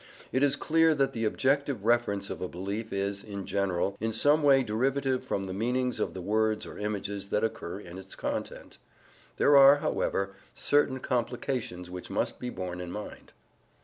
It is clear that the objective reference of a belief is, in general, in some way derivative from the meanings of the words or images that occur in its content. There are, however, certain complications which must be borne in mind.